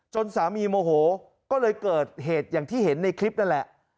สามีโมโหก็เลยเกิดเหตุอย่างที่เห็นในคลิปนั่นแหละ